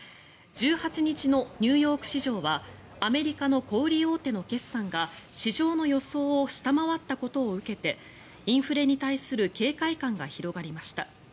１８日のニューヨーク市場はアメリカの小売り大手の決算が市場の予想を下回ったことを受けてインフレに対する警戒感が広がりました。